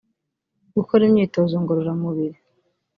gukora imyitozo ngororamubiri